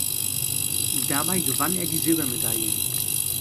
Dabei gewann er die Silbermedaille.